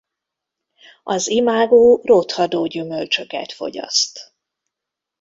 Az imágó rothadó gyümölcsöket fogyaszt.